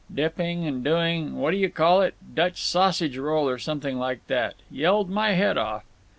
"—dipping and doing the—what do you call it?—Dutch sausage roll or something like that. Yelled my head off."